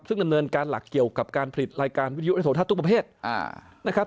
ซึ่งดำเนินการหลักเกี่ยวกับการผลิตรายการวิทยุในโทรทัศน์ทุกประเภทนะครับ